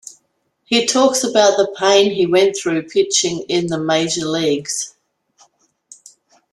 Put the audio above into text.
He talks about the pain he went through pitching in the Major Leagues.